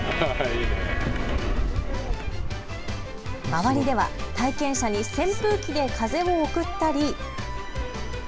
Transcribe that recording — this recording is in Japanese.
周りでは体験者に扇風機で風を送ったり。